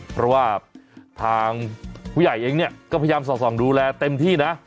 เพราะว่าทางผู้ใหญ่เองเนี่ยก็พยายามสอดส่องดูแลเต็มที่นะ